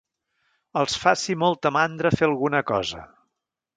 Els faci molta mandra fer alguna cosa.